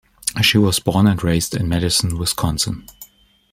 She was born and raised in Madison, Wisconsin.